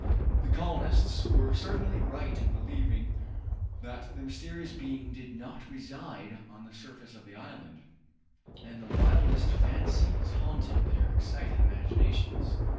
The colonists were certainly right in believing that the mysterious being did not reside on the surface of the island, and the wildest fancies haunted their excited imaginations.